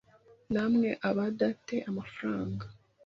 Namwe abada te amafaranga